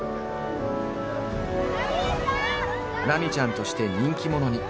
「ラミちゃん」として人気者に。